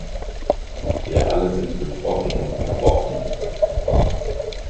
Wir alle sind getroffen und betroffen.